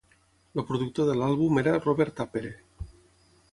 El productor de l'àlbum era Robert Appere.